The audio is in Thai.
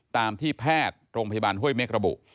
ตามที่แพทย์โรงพยาบาลห้วยเม็กระบุ